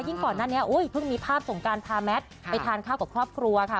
ก่อนหน้านี้เพิ่งมีภาพสงการพาแมทไปทานข้าวกับครอบครัวค่ะ